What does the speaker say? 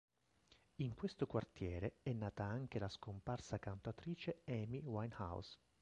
In questo quartiere è nata anche la scomparsa cantautrice Amy Winehouse.